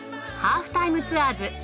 『ハーフタイムツアーズ』